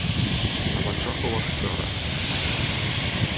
На вачах у вахцёра.